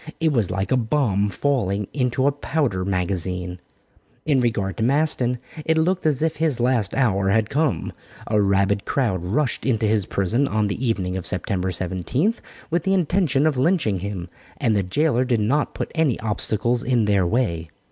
It was like a bomb falling into a powder magazine. In regard to Maston, it looked as if his last hour had come. A rabid crowd rushed into his prison on the evening of Sept. 17, with the intention of lynching him, and the jailer did not put any obstacles in their way.